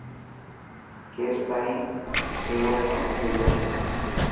ڪيس تائن ايئو ڪم ٿي جاسي.